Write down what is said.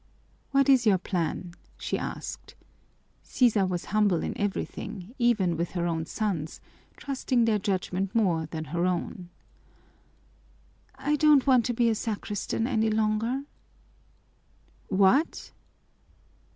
"What is your plan?" she asked. Sisa was humble in everything, even with her own sons, trusting their judgment more than her own. "I don't want to be a sacristan any longer." "What?"